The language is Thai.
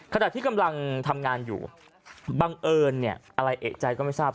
ขณะที่กำลังทำงานอยู่บังเอิญเนี่ยอะไรเอกใจก็ไม่ทราบ